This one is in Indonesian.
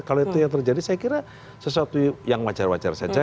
kalau itu yang terjadi saya kira sesuatu yang wajar wajar saja